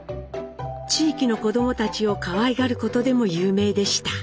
地域の子どもたちをかわいがることでも有名でした。